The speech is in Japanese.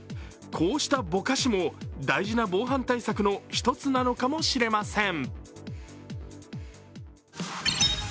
こうしたボカしも大事な防犯対策の１つなのかもしれません。